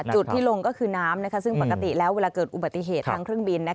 จุดที่ลงก็คือน้ำซึ่งปกติแล้วเวลาเกิดอุบัติเหตุทางเครื่องบิน